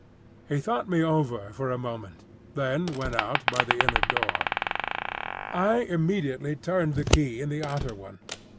He thought me over for a moment, then went out by the inner door. I immediately turned the key in the outer one.